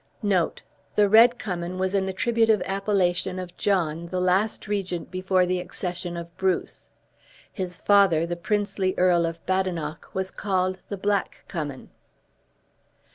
The Red Cummin was an attributive appellation of John, the last regent before the accession of Bruce. His father, the princely Earl of Badenoch, was called the Black Cummin.